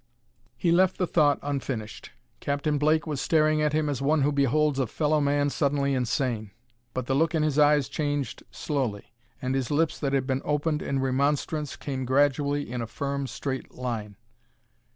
He left the thought unfinished. Captain Blake was staring at him as one who beholds a fellow man suddenly insane. But the look in his eyes changed slowly, and his lips that had been opened in remonstrance came gradually in a firm, straight line.